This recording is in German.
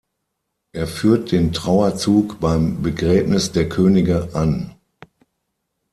Er führt den Trauerzug beim Begräbnis der Könige an.